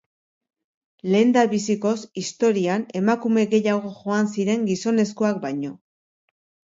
Lehendabizikoz historian emakume gehiago joan ziren gizonezkoak baino.